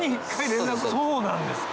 そうなんですか！